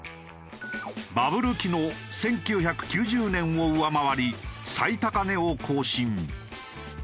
バブル期の１９９０年を上回り最高値を更新。